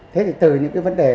thế thì từ những cái vấn đề